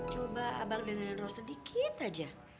coba abang dengerin roh sedikit aja